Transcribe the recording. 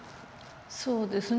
そうですね。